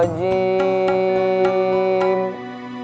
kita ingin memanggil